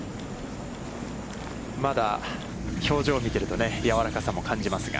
まだ表情を見ているとやわらかさも感じますが。